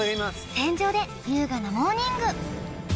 船上で優雅なモーニング